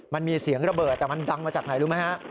มันมีเสียงระเบิดแต่มันดังมาจากไหนรู้ไหมฮะ